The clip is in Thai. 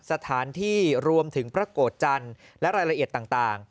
สถานที่รวมถึงพระโกรธจันทร์และรายละเอียดต่าง